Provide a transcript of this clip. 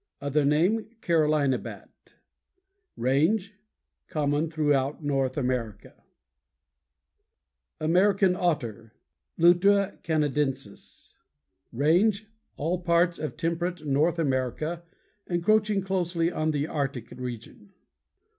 _ Other name: "Carolina Bat." RANGE Common throughout North America. Page 174. =AMERICAN OTTER= Lutra canadensis. RANGE All parts of temperate North America, encroaching closely on the Arctic region.